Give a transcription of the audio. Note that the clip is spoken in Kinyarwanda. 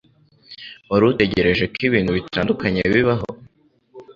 Wari utegereje ko ibintu bitandukanye bibaho?